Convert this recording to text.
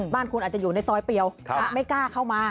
บ้านคุณอาจจะอยู่ในซอยเปรียวไม่กล้าเข้ามา